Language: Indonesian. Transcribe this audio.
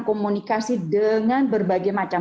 komunikasi dengan berbagai